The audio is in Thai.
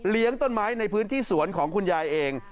ต้นไม้ในพื้นที่สวนของคุณยายเอง